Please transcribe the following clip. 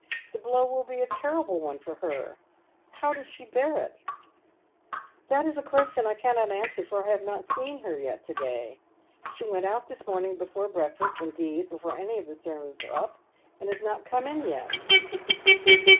The blow will be a terrible one for her. How docs she bear it ?'' "That is a question I cannot answer, for I have not seen her to day. She went out this morning before breakfast — indeed, before any of the servants were up — and has not come in yet."